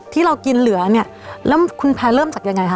ที่เรากินเหลือเนี่ยแล้วคุณแพรเริ่มจากยังไงคะ